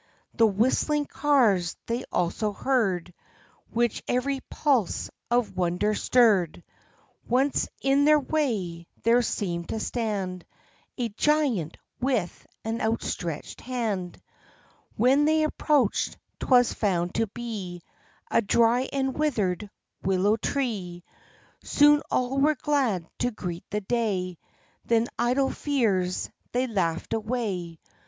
The whistling cars they also heard, Which every pulse of wonder stirred. OF CHANTICLEER. 73 Once, in their way there seemed to stand A giant, with an outstretched hand; When they approached, 'twas found to be A dry and withered willow tree. Soon all were glad to greet the day; Then idle fears they laughed away.